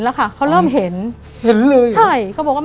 แต่ขอให้เรียนจบปริญญาตรีก่อน